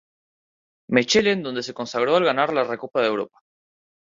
Mechelen, donde se consagró al ganar la Recopa de Europa.